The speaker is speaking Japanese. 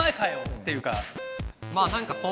っていうか。